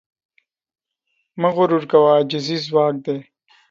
مه غرور کوه، عاجزي ځواک دی.